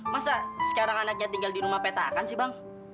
masa sekarang anaknya tinggal di rumah petakan sih bang